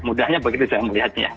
mudahnya begitu saya melihatnya